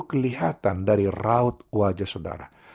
kelihatan dari raut wajah saudara